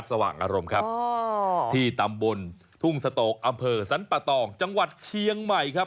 สว่างอารมณ์ครับที่ตำบลทุ่งสโตกอำเภอสรรปะตองจังหวัดเชียงใหม่ครับ